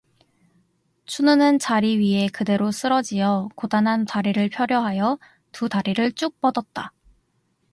춘우는 자리 위에 그대로 쓰러지어 고단한 다리를 펴려 하여 두 다리를 쭉 뻗었다.